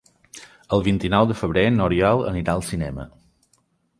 El vint-i-nou de febrer n'Oriol anirà al cinema.